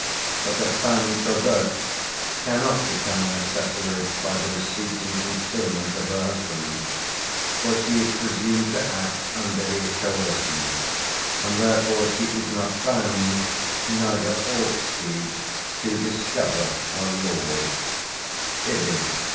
But a feme covert cannot become an accessory by the receipt and concealment of her husband; for she is presumed to act under his coercion, and therefore she is not bound, neither ought she, to discover her lord" (Ibid.